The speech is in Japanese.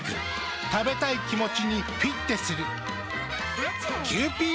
食べたい気持ちにフィッテする。